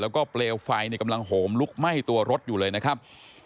แล้วก็เปลวไฟกำลังโหมลุกไหม้ตัวรถอยู่เลยนะครับ